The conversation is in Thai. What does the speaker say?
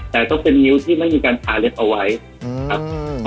แต่ต้องเป็นนิ้วที่ไม่มีการทาเล็บเอาไว้ครับ